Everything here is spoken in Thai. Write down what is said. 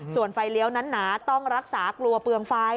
ส่วนไฟเลี้ยวนั้นหนาต้องรักษากลัวเปลืองไฟ